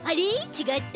ちがった。